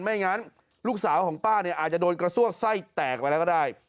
ไม่งั้นลูกสาวของป้าเนี่ยอาจจะโดนกระซวกไส้แตกไปแล้วก็ได้